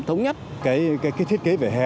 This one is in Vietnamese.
thống nhất cái thiết kế về hè